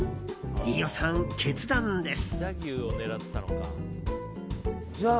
飯尾さん、決断です。